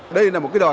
đây là một cái đòi